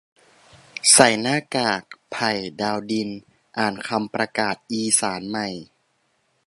ใส่หน้ากาก "ไผ่ ดาวดิน" อ่านคำประกาศอีสานใหม่